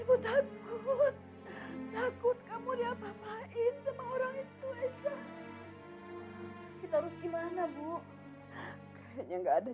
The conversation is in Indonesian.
orang itu ngancam ibu